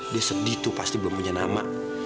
dia sedih tuh pasti belum punya nama